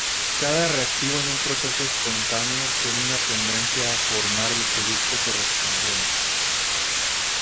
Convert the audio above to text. Cada reactivo en un proceso espontáneo tiene una tendencia a formar el producto correspondiente.